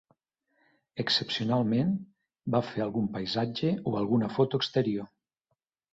Excepcionalment, va fer algun paisatge o alguna foto exterior.